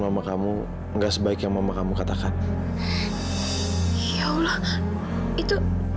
mama kamu enggak sebaik yang mama kamu katakan ya allah itu